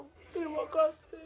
kau kabulkan permohonan kami ya allah